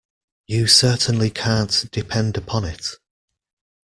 You certainly can't depend upon it.